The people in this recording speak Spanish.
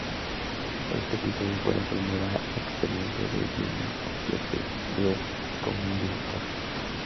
Este episodio fue la primera experiencia del guionista Jeffrey Bell como un director.